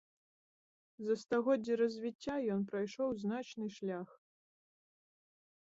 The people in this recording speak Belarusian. За стагоддзі развіцця ён прайшоў значны шлях.